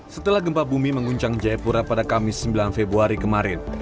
setelah gempa bumi mengguncang jayapura pada kamis sembilan februari kemarin